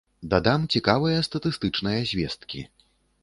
Дадам цікавыя статыстычныя звесткі.